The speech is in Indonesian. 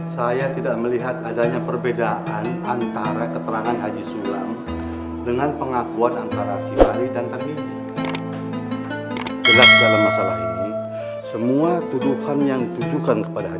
sampai jumpa di video selanjutnya